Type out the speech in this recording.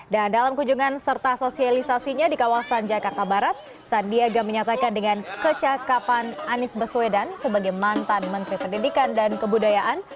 dan dalam kunjungan serta sosialisasinya di kawasan jakarta barat sandiaga menyatakan dengan kecakapan anies baswedan sebagai mantan menteri pendidikan dan kebudayaan